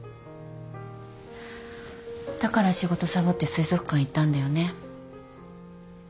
だから仕事サボって水族館行ったんだよね。